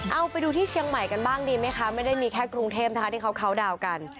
เอาไปดูที่เชียงใหม่กันบ้างดีไหมคะไม่ได้มีแค่กรุงเทพนะคะที่เขาเคาน์ดาวน์กัน